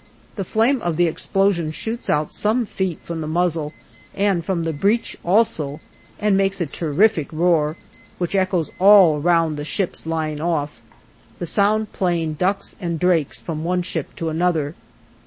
The flame of the explosion shoots out some feet from the muzzle and from the breach also, and makes a terrific roar, which echoes all round the ships lying off, the sound playing ducks and drakes from one ship to another.